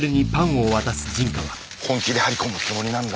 本気で張り込むつもりなんだ？